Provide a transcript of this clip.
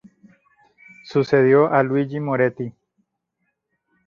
Sucedió a Luigi Moretti.